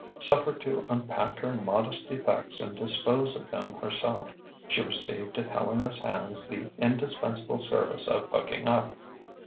Suffered to unpack her modest effects and dispose of them herself, she received at Helena's hands the indispensable service of "hooking up."